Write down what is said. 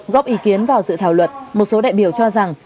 góp ý kiến vào dự thảo luật một số đại biểu cho rằng